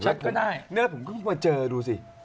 ก็ได้เนื้อผมเพิ่งมาเจอดูสิ